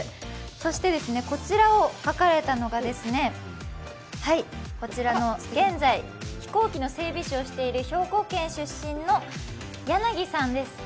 そして、こちらを書かれたのが現在飛行機の整備士をしている兵庫県出身の柳さんです。